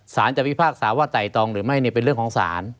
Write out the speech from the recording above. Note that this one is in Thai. สารจับพิพากษาว่าต่ายตองหรือไม่นี่เป็นเรื่องของสาร